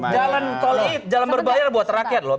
jalan berbayar buat rakyat loh